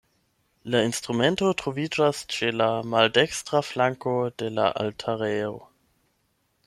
La instrumento troviĝas ĉe la maldekstra flanko de la altarejo.